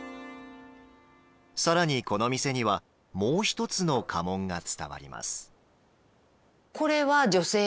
さらにこの店にはもう一つの家紋が伝わります。